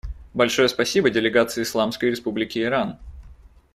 Большое спасибо делегации Исламской Республики Иран.